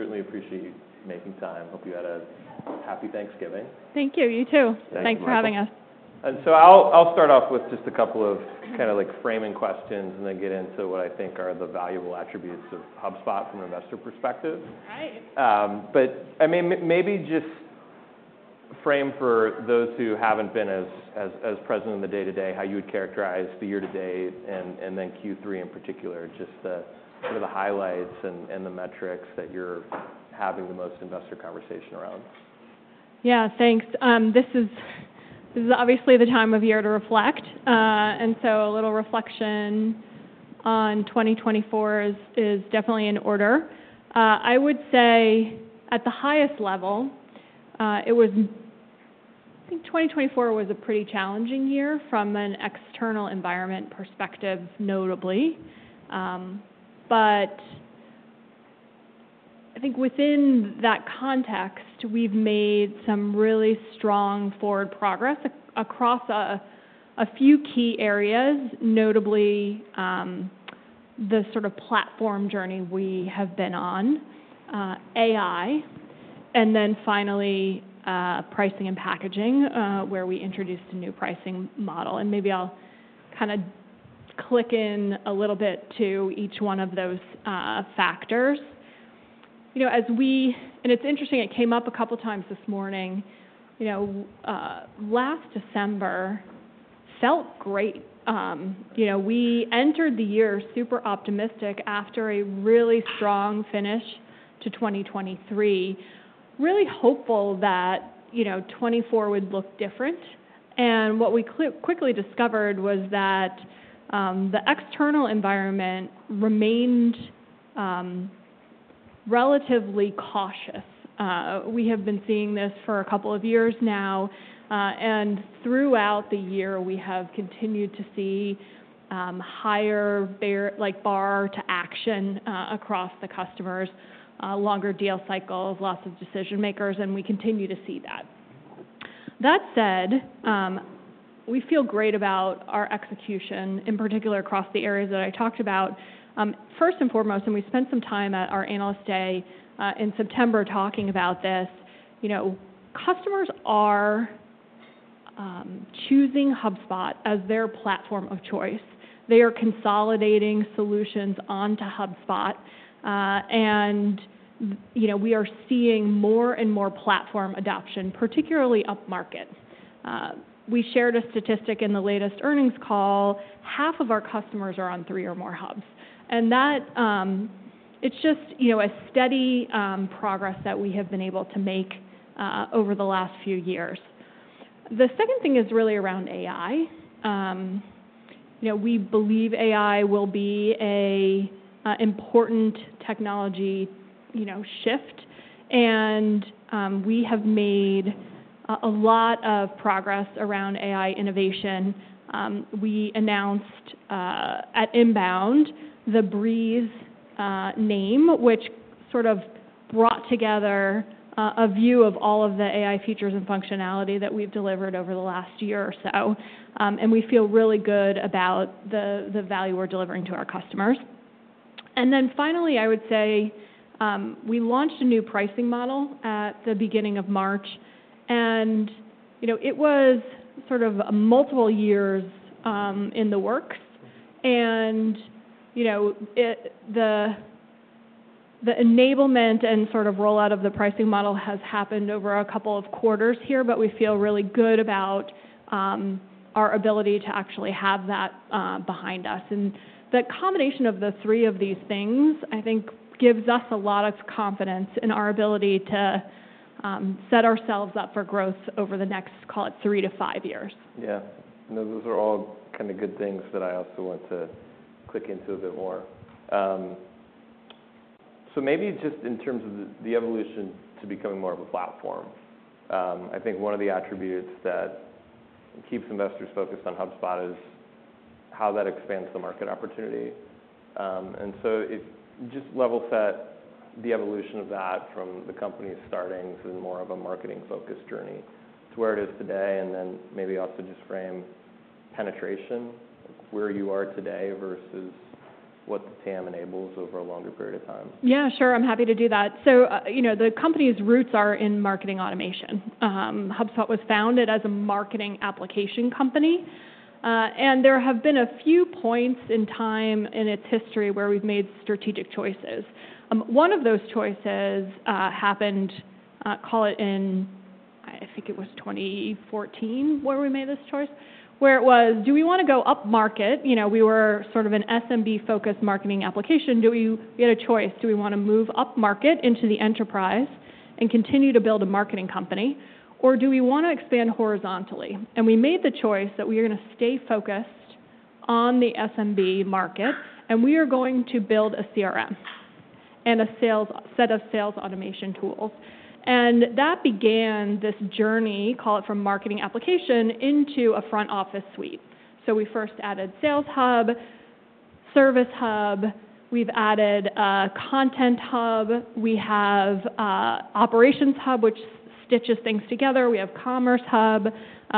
Certainly appreciate you making time. Hope you had a happy Thanksgiving. Thank you. You too. Thanks for having us. And so I'll start off with just a couple of kind of framing questions and then get into what I think are the valuable attributes of HubSpot from an investor perspective. All right. But I mean, maybe just frame for those who haven't been as present in the day-to-day how you would characterize the year-to-date and then Q3 in particular, just the highlights and the metrics that you're having the most investor conversation around. Yeah, thanks. This is obviously the time of year to reflect. And so a little reflection on 2024 is definitely in order. I would say at the highest level, I think 2024 was a pretty challenging year from an external environment perspective, notably. But I think within that context, we've made some really strong forward progress across a few key areas, notably the sort of platform journey we have been on, AI, and then finally pricing and packaging where we introduced a new pricing model. And maybe I'll kind of click in a little bit to each one of those factors. And it's interesting, it came up a couple of times this morning. Last December felt great. We entered the year super optimistic after a really strong finish to 2023, really hopeful that 2024 would look different. And what we quickly discovered was that the external environment remained relatively cautious. We have been seeing this for a couple of years now. Throughout the year, we have continued to see higher bar to action across the customers, longer deal cycles, lots of decision makers. We continue to see that. That said, we feel great about our execution, in particular across the areas that I talked about. First and foremost, we spent some time at our Analyst Day in September talking about this. Customers are choosing HubSpot as their platform of choice. They are consolidating solutions onto HubSpot. We are seeing more and more platform adoption, particularly upmarket. We shared a statistic in the latest earnings call. Half of our customers are on three or more hubs. It's just a steady progress that we have been able to make over the last few years. The second thing is really around AI. We believe AI will be an important technology shift, and we have made a lot of progress around AI innovation. We announced at INBOUND the Breeze name, which sort of brought together a view of all of the AI features and functionality that we've delivered over the last year or so, and we feel really good about the value we're delivering to our customers. Then finally, I would say we launched a new pricing model at the beginning of March, and it was sort of multiple years in the works. The enablement and sort of rollout of the pricing model has happened over a couple of quarters here, but we feel really good about our ability to actually have that behind us. The combination of the three of these things, I think, gives us a lot of confidence in our ability to set ourselves up for growth over the next, call it, three to five years. Yeah. And those are all kind of good things that I also want to dive into a bit more. So maybe just in terms of the evolution to becoming more of a platform, I think one of the attributes that keeps investors focused on HubSpot is how that expands the market opportunity. And so just level set the evolution of that from the company's beginnings and more of a marketing-focused journey to where it is today. And then maybe also just frame penetration, where you are today versus what the TAM enables over a longer period of time. Yeah, sure. I'm happy to do that. So the company's roots are in marketing automation. HubSpot was founded as a marketing application company. And there have been a few points in time in its history where we've made strategic choices. One of those choices happened, call it in, I think it was 2014, where we made this choice, where it was, do we want to go upmarket? We were sort of an SMB-focused marketing application. We had a choice. Do we want to move upmarket into the enterprise and continue to build a marketing company? Or do we want to expand horizontally? And we made the choice that we are going to stay focused on the SMB market, and we are going to build a CRM and a set of sales automation tools. And that began this journey, call it from marketing application into a front office suite. So we first added Sales Hub, Service Hub. We've added Content Hub. We have Operations Hub, which stitches things together. We have Commerce Hub.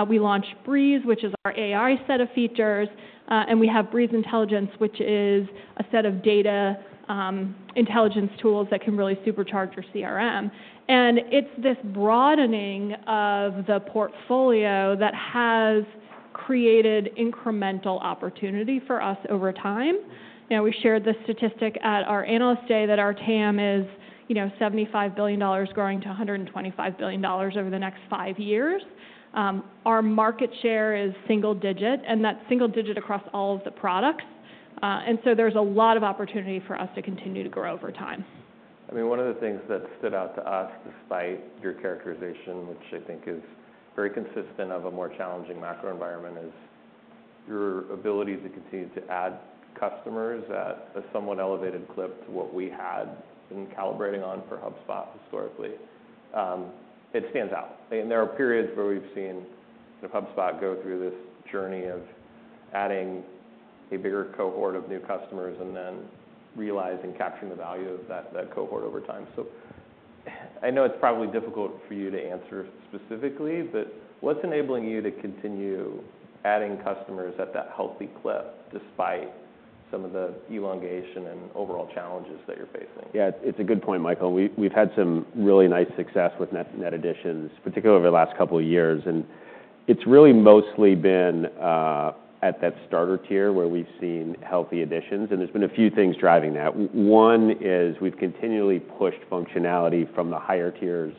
We launched Breeze, which is our AI set of features. And we have Breeze Intelligence, which is a set of data intelligence tools that can really supercharge your CRM. And it's this broadening of the portfolio that has created incremental opportunity for us over time. Now, we shared the statistic at our Analyst Day that our TAM is $75 billion growing to $125 billion over the next five years. Our market share is single digit, and that's single digit across all of the products. And so there's a lot of opportunity for us to continue to grow over time. I mean, one of the things that stood out to us despite your characterization, which I think is very consistent of a more challenging macro environment, is your ability to continue to add customers at a somewhat elevated clip to what we had been calibrating on for HubSpot historically. It stands out. And there are periods where we've seen HubSpot go through this journey of adding a bigger cohort of new customers and then realizing capturing the value of that cohort over time. So I know it's probably difficult for you to answer specifically, but what's enabling you to continue adding customers at that healthy clip despite some of the elongation and overall challenges that you're facing? Yeah, it's a good point, Michael. We've had some really nice success with net additions, particularly over the last couple of years, and it's really mostly been at that Starter tier where we've seen healthy additions, and there's been a few things driving that. One is we've continually pushed functionality from the higher tiers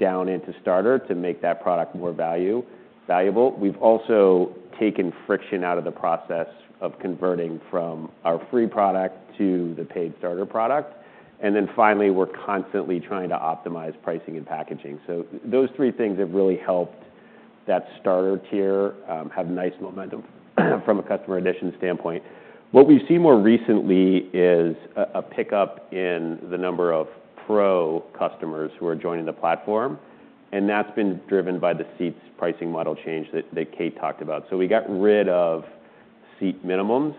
down into Starter to make that product more valuable. We've also taken friction out of the process of converting from our free product to the paid Starter product, and then finally, we're constantly trying to optimize pricing and packaging, so those three things have really helped that Starter tier have nice momentum from a customer addition standpoint. What we've seen more recently is a pickup in the number of Pro customers who are joining the platform, and that's been driven by the seats pricing model change that Kate talked about. So we got rid of seat minimums,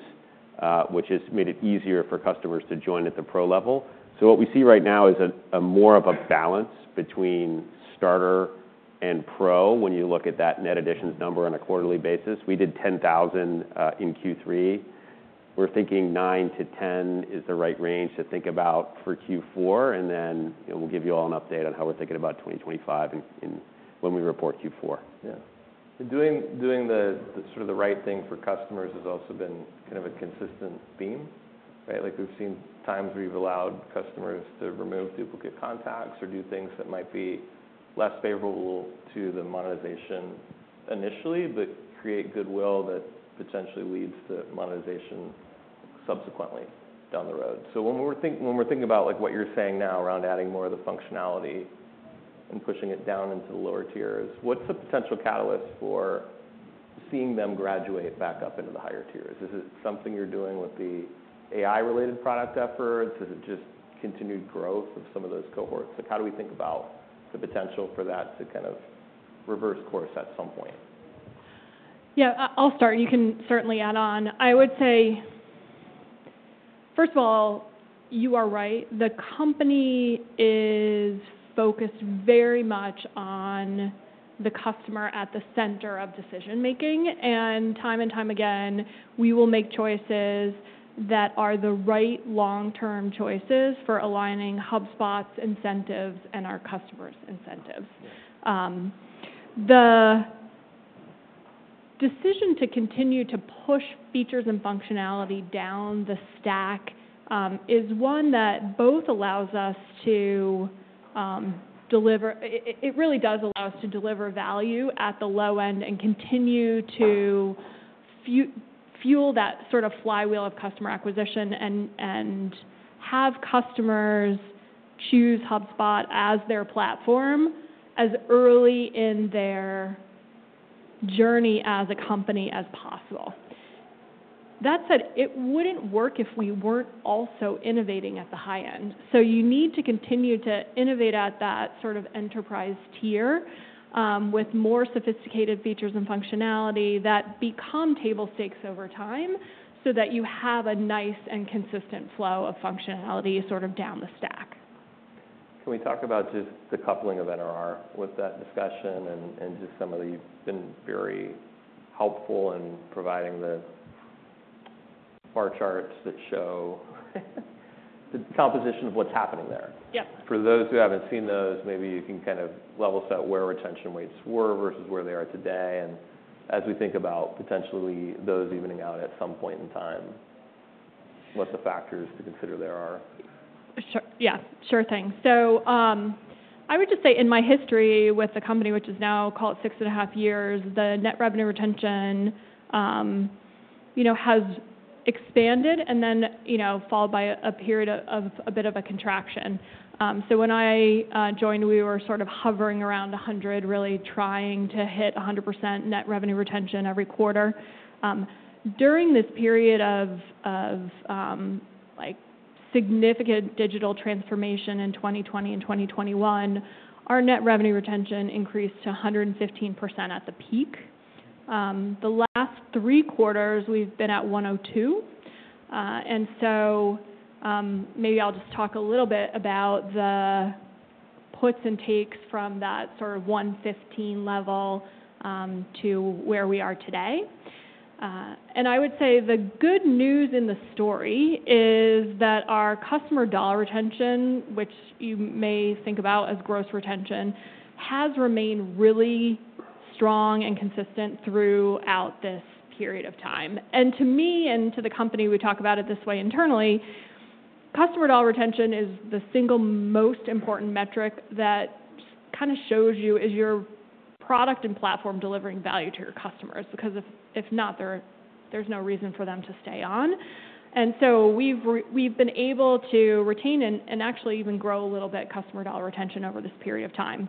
which has made it easier for customers to join at the Pro level. So what we see right now is more of a balance between Starter and Pro when you look at that net additions number on a quarterly basis. We did 10,000 in Q3. We're thinking 9,000-10,000 is the right range to think about for Q4. And then we'll give you all an update on how we're thinking about 2025 when we report Q4. Yeah. And doing sort of the right thing for customers has also been kind of a consistent theme. We've seen times where you've allowed customers to remove duplicate contacts or do things that might be less favorable to the monetization initially, but create goodwill that potentially leads to monetization subsequently down the road. So when we're thinking about what you're saying now around adding more of the functionality and pushing it down into the lower tiers, what's a potential catalyst for seeing them graduate back up into the higher tiers? Is it something you're doing with the AI-related product efforts? Is it just continued growth of some of those cohorts? How do we think about the potential for that to kind of reverse course at some point? Yeah, I'll start. You can certainly add on. I would say, first of all, you are right. The company is focused very much on the customer at the center of decision-making, and time and time again, we will make choices that are the right long-term choices for aligning HubSpot's incentives and our customers' incentives. The decision to continue to push features and functionality down the stack is one that both allows us to deliver. It really does allow us to deliver value at the low end and continue to fuel that sort of flywheel of customer acquisition and have customers choose HubSpot as their platform as early in their journey as a company as possible. That said, it wouldn't work if we weren't also innovating at the high end. You need to continue to innovate at that sort of Enterprise tier with more sophisticated features and functionality that become table stakes over time so that you have a nice and consistent flow of functionality sort of down the stack. Can we talk about just the coupling of NRR with that discussion and just some of the been very helpful in providing the bar charts that show the composition of what's happening there? Yep. For those who haven't seen those, maybe you can kind of level set where retention weights were versus where they are today, and as we think about potentially those evening out at some point in time, what's the factors to consider there are? Yeah, sure thing. So I would just say in my history with the company, which is now, call it, six and a half years, the net revenue retention has expanded and then followed by a period of a bit of a contraction. So when I joined, we were sort of hovering around 100%, really trying to hit 100% net revenue retention every quarter. During this period of significant digital transformation in 2020 and 2021, our net revenue retention increased to 115% at the peak. The last three quarters, we've been at 102%. And so maybe I'll just talk a little bit about the puts and takes from that sort of 115% level to where we are today. I would say the good news in the story is that our customer dollar retention, which you may think about as gross retention, has remained really strong and consistent throughout this period of time. To me and to the company, we talk about it this way internally. Customer dollar retention is the single most important metric that kind of shows you is your product and platform delivering value to your customers. Because if not, there's no reason for them to stay on. We've been able to retain and actually even grow a little bit customer dollar retention over this period of time,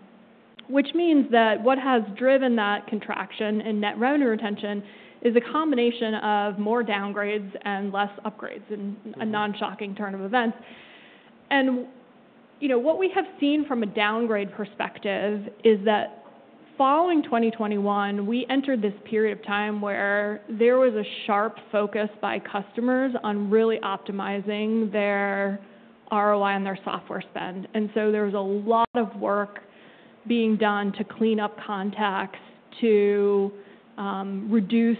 which means that what has driven that contraction in net revenue retention is a combination of more downgrades and less upgrades in a non-shocking turn of events. What we have seen from a downgrade perspective is that following 2021, we entered this period of time where there was a sharp focus by customers on really optimizing their ROI on their software spend. There was a lot of work being done to clean up contacts, to reduce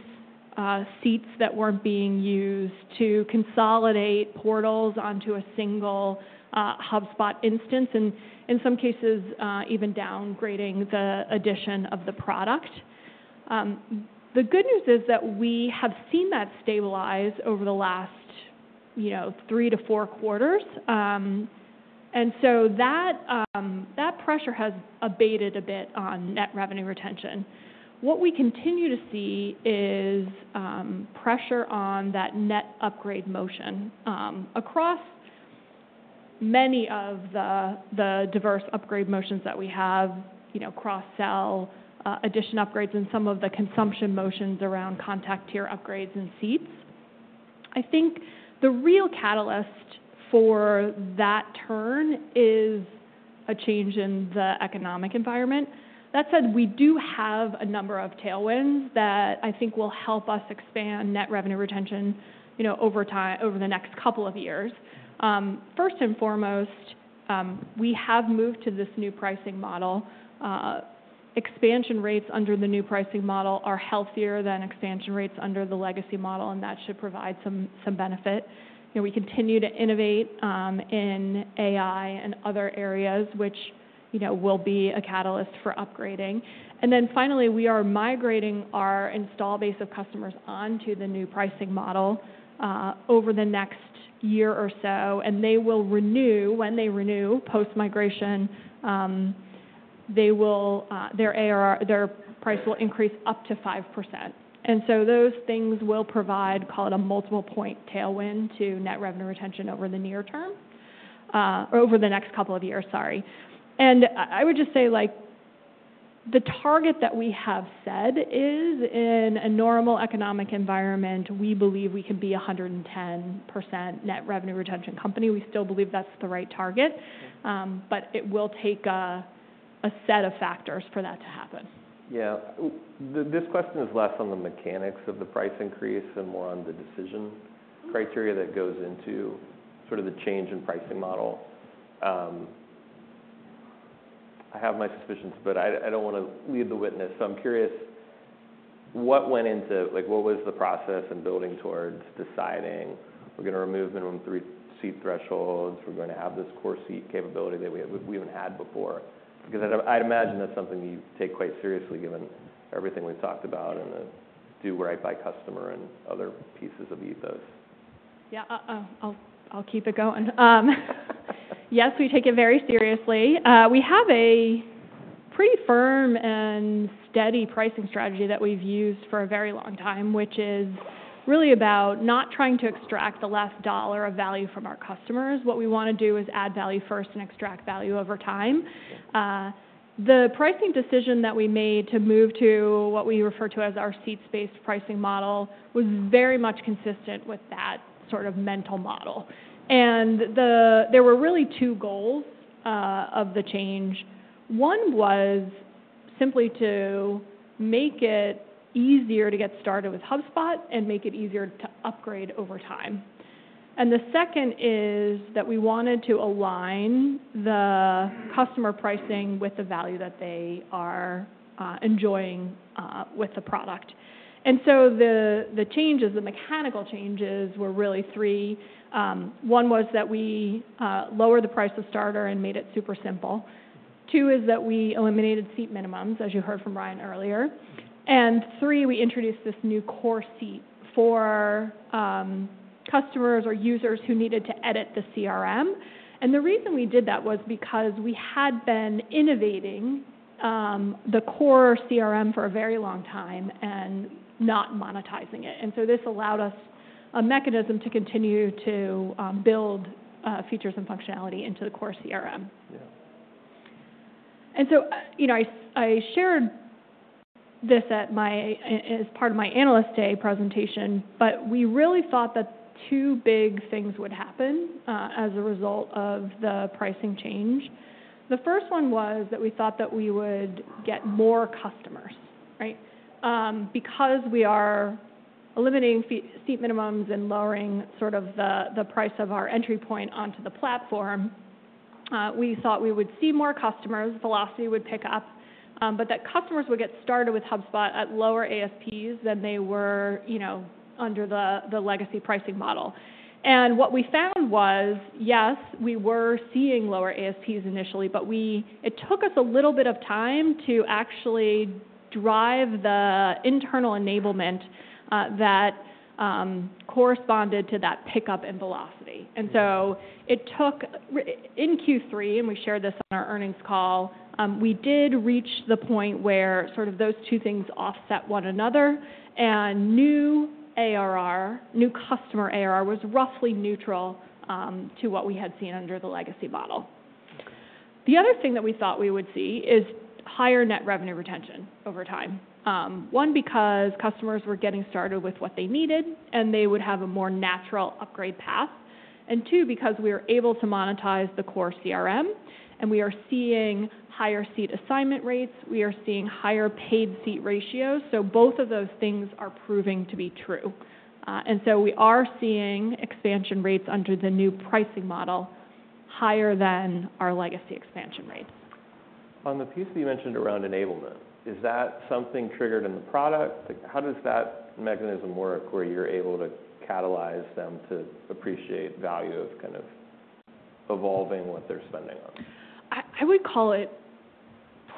seats that weren't being used, to consolidate portals onto a single HubSpot instance, and in some cases, even downgrading the edition of the product. The good news is that we have seen that stabilize over the last three to four quarters. That pressure has abated a bit on net revenue retention. What we continue to see is pressure on that net upgrade motion across many of the diverse upgrade motions that we have: cross-sell, edition upgrades, and some of the consumption motions around contact tier upgrades and seats. I think the real catalyst for that turn is a change in the economic environment. That said, we do have a number of tailwinds that I think will help us expand net revenue retention over the next couple of years. First and foremost, we have moved to this new pricing model. Expansion rates under the new pricing model are healthier than expansion rates under the legacy model, and that should provide some benefit. We continue to innovate in AI and other areas, which will be a catalyst for upgrading. And then finally, we are migrating our installed base of customers onto the new pricing model over the next year or so. And they will renew. When they renew post-migration, their price will increase up to 5%. And so those things will provide, call it a multiple point tailwind to net revenue retention over the near term or over the next couple of years, sorry. And I would just say the target that we have set is, in a normal economic environment, we believe we can be a 110% net revenue retention company. We still believe that's the right target, but it will take a set of factors for that to happen. Yeah. This question is less on the mechanics of the price increase and more on the decision criteria that goes into sort of the change in pricing model. I have my suspicions, but I don't want to lead the witness. So I'm curious, what went into, what was the process in building towards deciding we're going to remove minimum three-seat thresholds, we're going to have this Core Seat capability that we haven't had before? Because I'd imagine that's something you take quite seriously given everything we've talked about and the do right by customer and other pieces of ethos. Yeah, I'll keep it going. Yes, we take it very seriously. We have a pretty firm and steady pricing strategy that we've used for a very long time, which is really about not trying to extract the last dollar of value from our customers. What we want to do is add value first and extract value over time. The pricing decision that we made to move to what we refer to as our seats-based pricing model was very much consistent with that sort of mental model, and there were really two goals of the change. One was simply to make it easier to get started with HubSpot and make it easier to upgrade over time, and the second is that we wanted to align the customer pricing with the value that they are enjoying with the product, and so the changes, the mechanical changes were really three. One was that we lowered the price of Starter and made it super simple. Two is that we eliminated seat minimums, as you heard from Ryan earlier. And three, we introduced this new Core Seat for customers or users who needed to edit the CRM. And the reason we did that was because we had been innovating the core CRM for a very long time and not monetizing it. And so this allowed us a mechanism to continue to build features and functionality into the core CRM. And so I shared this as part of my Analyst Day presentation, but we really thought that two big things would happen as a result of the pricing change. The first one was that we thought that we would get more customers. Because we are eliminating seat minimums and lowering sort of the price of our entry point onto the platform, we thought we would see more customers, velocity would pick up, but that customers would get started with HubSpot at lower ASPs than they were under the legacy pricing model, and what we found was, yes, we were seeing lower ASPs initially, but it took us a little bit of time to actually drive the internal enablement that corresponded to that pickup in velocity, and so it took in Q3, and we shared this on our earnings call, we did reach the point where sort of those two things offset one another, and new ARR, new customer ARR was roughly neutral to what we had seen under the legacy model. The other thing that we thought we would see is higher net revenue retention over time. One, because customers were getting started with what they needed, and they would have a more natural upgrade path. And two, because we are able to monetize the core CRM, and we are seeing higher seat assignment rates, we are seeing higher paid seat ratios. So both of those things are proving to be true. And so we are seeing expansion rates under the new pricing model higher than our legacy expansion rates. On the piece that you mentioned around enablement, is that something triggered in the product? How does that mechanism work where you're able to catalyze them to appreciate value of kind of evolving what they're spending on? I would call it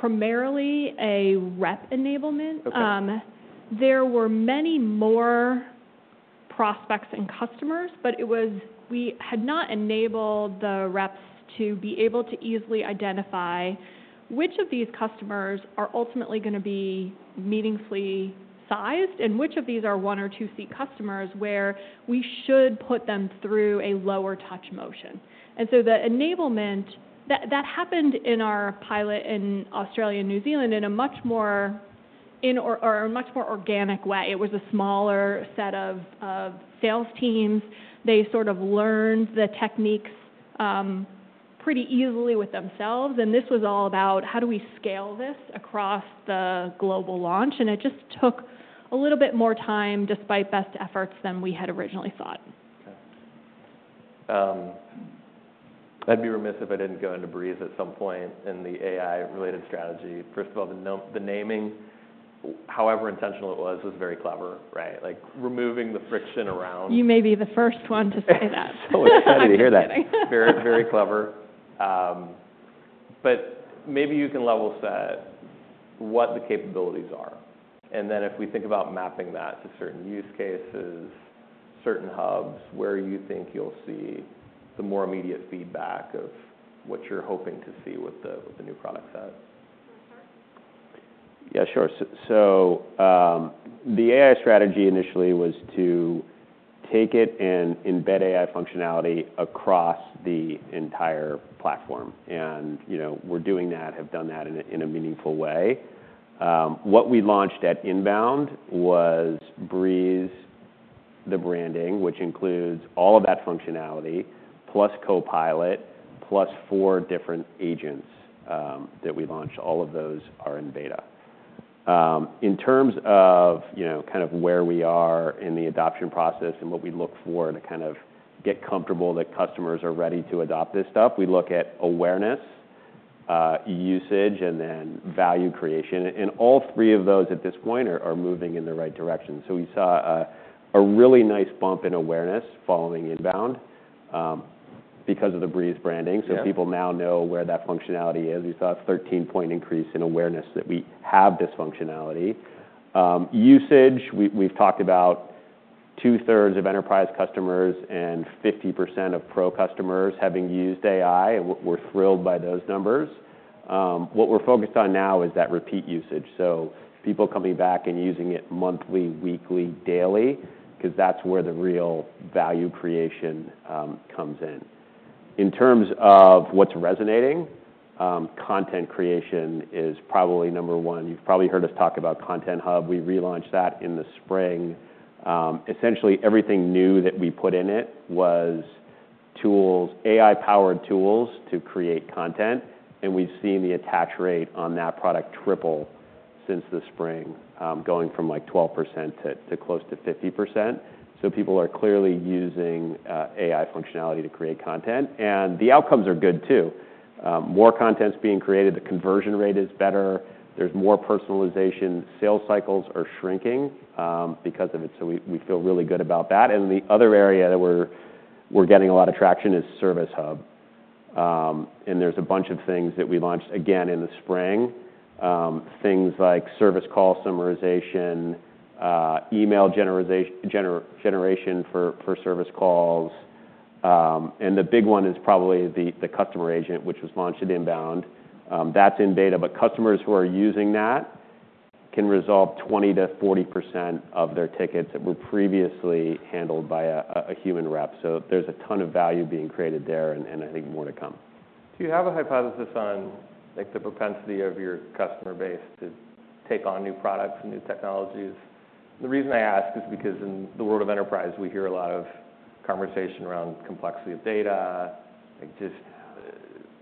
primarily a rep enablement. There were many more prospects and customers, but we had not enabled the reps to be able to easily identify which of these customers are ultimately going to be meaningfully sized and which of these are one or two seat customers where we should put them through a lower touch motion, and so the enablement that happened in our pilot in Australia and New Zealand in a much more organic way. It was a smaller set of sales teams. They sort of learned the techniques pretty easily with themselves, and this was all about how do we scale this across the global launch, and it just took a little bit more time despite best efforts than we had originally thought. I'd be remiss if I didn't go into Breeze at some point in the AI-related strategy. First of all, the naming, however intentional it was, was very clever, right? Removing the friction around. You may be the first one to say that. So exciting to hear that. Very, very clever. But maybe you can level set what the capabilities are. And then if we think about mapping that to certain use cases, certain hubs, where you think you'll see the more immediate feedback of what you're hoping to see with the new product set. Can you start? Yeah, sure. So the AI strategy initially was to take it and embed AI functionality across the entire platform. And we're doing that, have done that in a meaningful way. What we launched at INBOUND was Breeze, the branding, which includes all of that functionality, plus Copilot, plus four different agents that we launched. All of those are in beta. In terms of kind of where we are in the adoption process and what we look for to kind of get comfortable that customers are ready to adopt this stuff, we look at awareness, usage, and then value creation. And all three of those at this point are moving in the right direction. So we saw a really nice bump in awareness following INBOUND because of the Breeze branding. So people now know where that functionality is. We saw a 13-point increase in awareness that we have this functionality. Usage, we've talked about two-thirds of Enterprise customers and 50% of Pro customers having used AI. We're thrilled by those numbers. What we're focused on now is that repeat usage, so people coming back and using it monthly, weekly, daily, because that's where the real value creation comes in. In terms of what's resonating, content creation is probably number one. You've probably heard us talk about Content Hub. We relaunched that in the spring. Essentially, everything new that we put in it was tools, AI-powered tools to create content, and we've seen the attach rate on that product triple since the spring, going from like 12% to close to 50%, so people are clearly using AI functionality to create content, and the outcomes are good too. More content's being created, the conversion rate is better, there's more personalization, sales cycles are shrinking because of it. So we feel really good about that. And the other area that we're getting a lot of traction is Service Hub. And there's a bunch of things that we launched again in the spring, things like service call summarization, email generation for service calls. And the big one is probably the Customer Agent, which was launched at INBOUND. That's in beta, but customers who are using that can resolve 20%-40% of their tickets that were previously handled by a human rep. So there's a ton of value being created there, and I think more to come. Do you have a hypothesis on the propensity of your customer base to take on new products and new technologies? The reason I ask is because in the world of enterprise, we hear a lot of conversation around complexity of data, just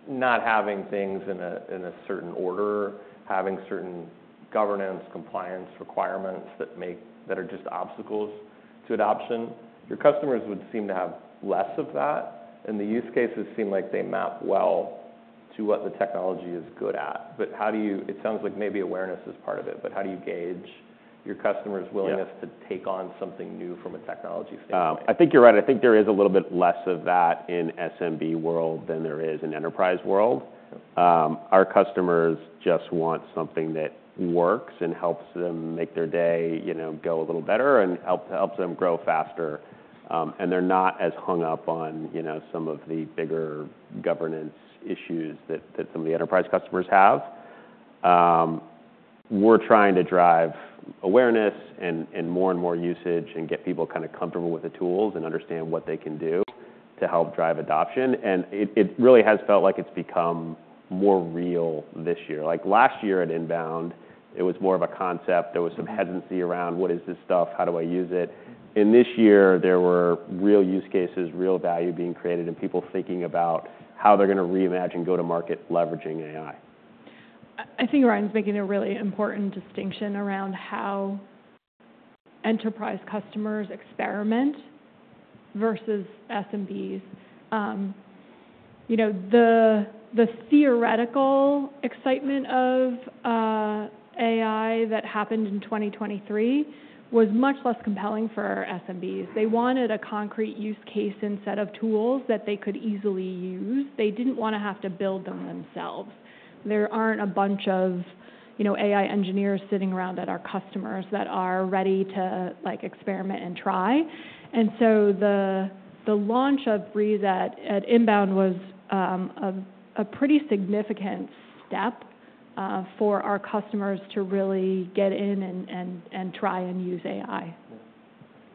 not having things in a certain order, having certain governance, compliance requirements that are just obstacles to adoption. Your customers would seem to have less of that, and the use cases seem like they map well to what the technology is good at. But how do you? It sounds like maybe awareness is part of it, but how do you gauge your customers' willingness to take on something new from a technology standpoint? I think you're right. I think there is a little bit less of that in SMB world than there is in enterprise world. Our customers just want something that works and helps them make their day go a little better and helps them grow faster, and they're not as hung up on some of the bigger governance issues that some of the Enterprise customers have. We're trying to drive awareness and more and more usage and get people kind of comfortable with the tools and understand what they can do to help drive adoption, and it really has felt like it's become more real this year. Last year at INBOUND, it was more of a concept. There was some hesitancy around "What is this stuff?" “How do I use it?” And this year, there were real use cases, real value being created, and people thinking about how they're going to reimagine go-to-market leveraging AI. I think Ryan's making a really important distinction around how Enterprise customers experiment versus SMBs. The theoretical excitement of AI that happened in 2023 was much less compelling for SMBs. They wanted a concrete use case and set of tools that they could easily use. They didn't want to have to build them themselves. There aren't a bunch of AI engineers sitting around at our customers that are ready to experiment and try, and so the launch of Breeze at INBOUND was a pretty significant step for our customers to really get in and try and use AI.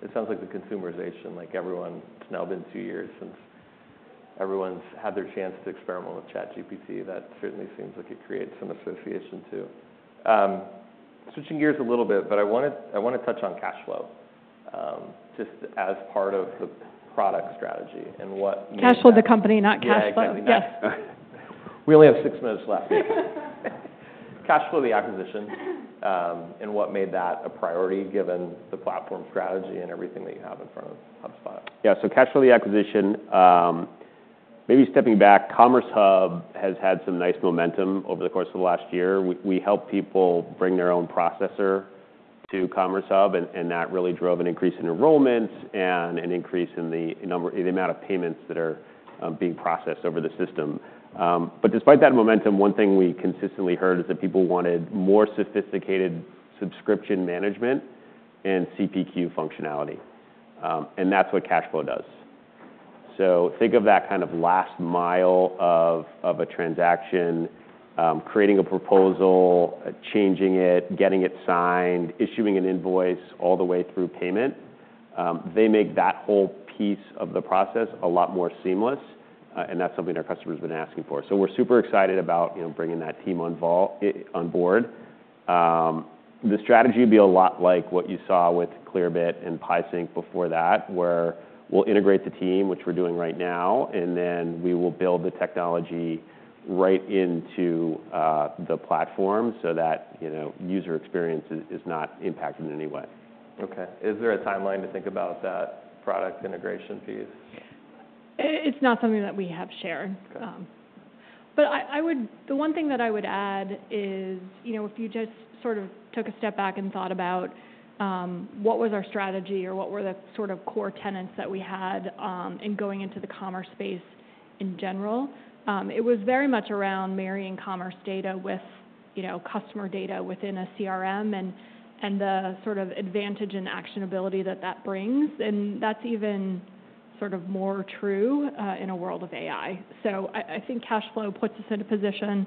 It sounds like the consumerization, like everyone, it's now been two years since everyone's had their chance to experiment with ChatGPT. That certainly seems like it creates some association too. Switching gears a little bit, but I want to touch on Cacheflow just as part of the product strategy and what. Cacheflow of the company, not cash flow. Yes. We only have six minutes left. Cacheflow of the acquisition and what made that a priority given the platform strategy and everything that you have in front of HubSpot? Yeah, so Cacheflow acquisition, maybe stepping back, Commerce Hub has had some nice momentum over the course of the last year. We helped people bring their own processor to Commerce Hub, and that really drove an increase in enrollments and an increase in the amount of payments that are being processed over the system, but despite that momentum, one thing we consistently heard is that people wanted more sophisticated subscription management and CPQ functionality, and that's what Cacheflow does, so think of that kind of last mile of a transaction, creating a proposal, changing it, getting it signed, issuing an invoice, all the way through payment. They make that whole piece of the process a lot more seamless, and that's something our customers have been asking for, so we're super excited about bringing that team on board. The strategy would be a lot like what you saw with Clearbit and PieSync before that, where we'll integrate the team, which we're doing right now, and then we will build the technology right into the platform so that user experience is not impacted in any way. Okay. Is there a timeline to think about that product integration piece? It's not something that we have shared. But the one thing that I would add is if you just sort of took a step back and thought about what was our strategy or what were the sort of core tenets that we had in going into the commerce space in general, it was very much around marrying commerce data with customer data within a CRM and the sort of advantage and actionability that that brings. And that's even sort of more true in a world of AI. So I think Cacheflow puts us in a position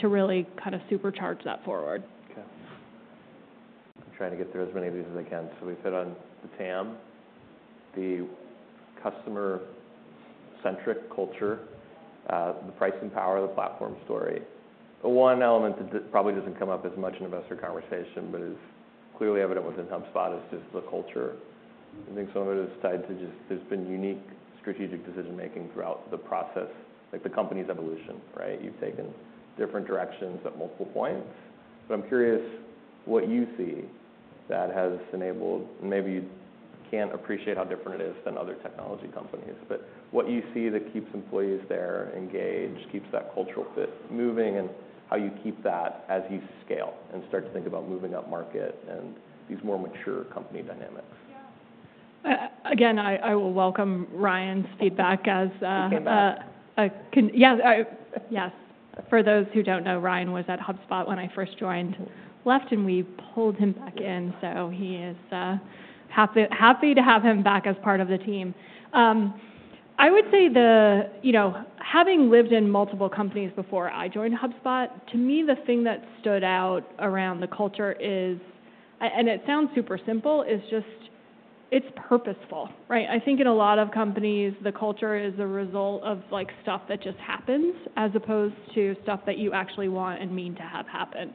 to really kind of supercharge that forward. Okay. I'm trying to get through as many of these as I can. So we've hit on the TAM, the customer-centric culture, the pricing power, the platform story. One element that probably doesn't come up as much in investor conversation, but is clearly evident within HubSpot, is just the culture. I think some of it is tied to just there's been unique strategic decision-making throughout the process, like the company's evolution, right? You've taken different directions at multiple points. But I'm curious what you see that has enabled, and maybe you can't appreciate how different it is than other technology companies, but what you see that keeps employees there, engaged, keeps that cultural fit moving, and how you keep that as you scale and start to think about moving up market and these more mature company dynamics? Again, I will welcome Ryan's feedback as. He came back. Yes. Yes. For those who don't know, Ryan was at HubSpot when I first joined, left, and we pulled him back in. So he is happy to have him back as part of the team. I would say having lived in multiple companies before I joined HubSpot, to me, the thing that stood out around the culture is, and it sounds super simple, is just it's purposeful, right? I think in a lot of companies, the culture is a result of stuff that just happens as opposed to stuff that you actually want and mean to have happen,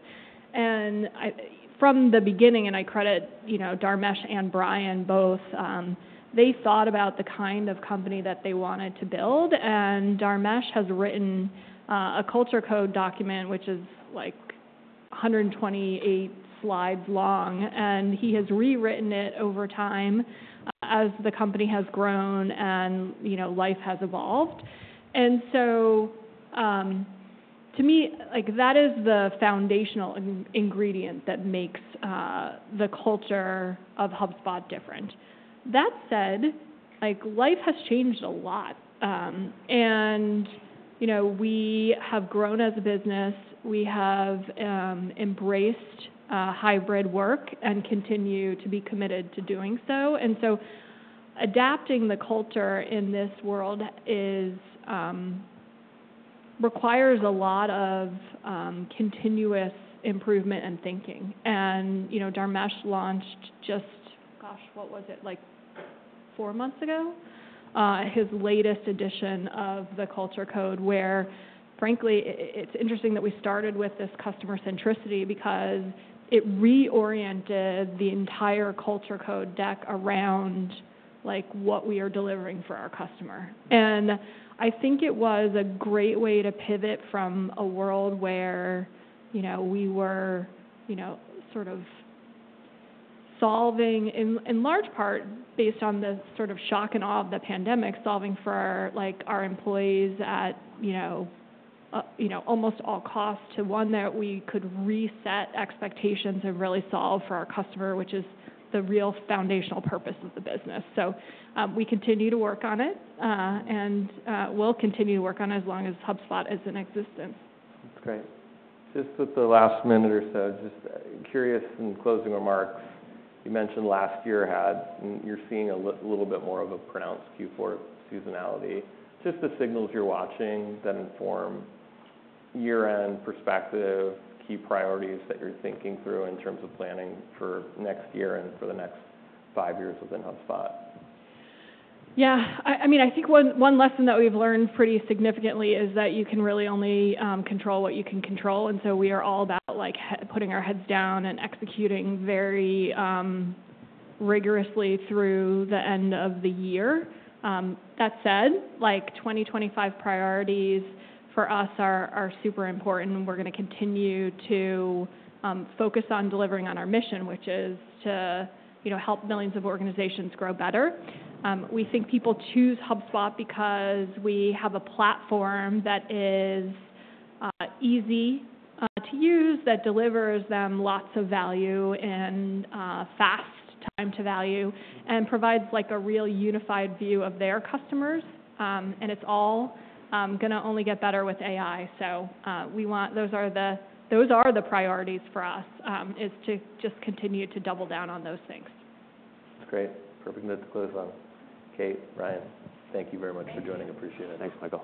and from the beginning, and I credit Dharmesh and Brian both, they thought about the kind of company that they wanted to build. And Dharmesh has written a Culture Code document, which is like 128 slides long, and he has rewritten it over time as the company has grown and life has evolved. And so to me, that is the foundational ingredient that makes the culture of HubSpot different. That said, life has changed a lot. And we have grown as a business. We have embraced hybrid work and continue to be committed to doing so. And so adapting the culture in this world requires a lot of continuous improvement and thinking. And Dharmesh launched just, gosh, what was it, like four months ago, his latest edition of the Culture Code, where frankly, it's interesting that we started with this customer centricity because it reoriented the entire Culture Code deck around what we are delivering for our customer. I think it was a great way to pivot from a world where we were sort of solving, in large part based on the sort of shock and awe of the pandemic, solving for our employees at almost all costs to one that we could reset expectations and really solve for our customer, which is the real foundational purpose of the business. We continue to work on it, and we'll continue to work on it as long as HubSpot is in existence. That's great. Just at the last minute or so, just curious in closing remarks, you mentioned last year had, and you're seeing a little bit more of a pronounced Q4 seasonality. Just the signals you're watching that inform year-end perspective, key priorities that you're thinking through in terms of planning for next year and for the next five years within HubSpot? Yeah. I mean, I think one lesson that we've learned pretty significantly is that you can really only control what you can control. And so we are all about putting our heads down and executing very rigorously through the end of the year. That said, 2025 priorities for us are super important, and we're going to continue to focus on delivering on our mission, which is to help millions of organizations grow better. We think people choose HubSpot because we have a platform that is easy to use, that delivers them lots of value and fast time to value, and provides a real unified view of their customers. And it's all going to only get better with AI. So those are the priorities for us, is to just continue to double down on those things. That's great. Perfect note to close on. Kate, Ryan, thank you very much for joining. Appreciate it. Thanks, Michael.